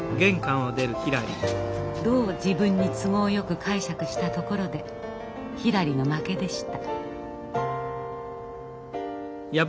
どう自分に都合よく解釈したところでひらりの負けでした。